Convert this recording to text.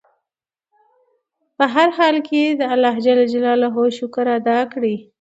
په هر حال کې د خدای شکر ادا کړئ.